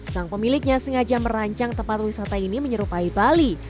sang pemiliknya sengaja merancang tempat wisata ini menyerupai bali